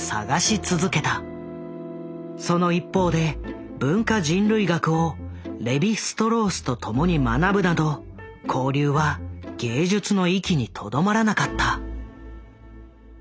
その一方で文化人類学をレヴィ＝ストロースと共に学ぶなど交流は芸術の域にとどまらなかった。